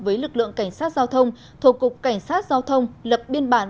với lực lượng cảnh sát giao thông thổ cục cảnh sát giao thông lập biên bản